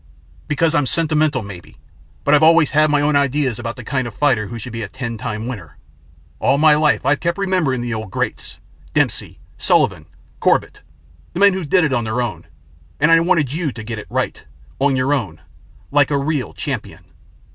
"Because I'm sentimental, maybe, but I've always had my own ideas about the kind of fighter who should be a Ten Time winner. All my life I've kept remembering the old greats Dempsey, Sullivan, Corbett the men who did it on their own, and I wanted you to get it right on your own like a real champion."